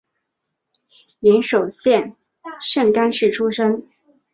岩手县盛冈市出身。